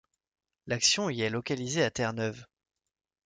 L'action y est localisée à Terre-Neuve.